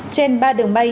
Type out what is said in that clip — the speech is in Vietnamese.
trên ba đường bay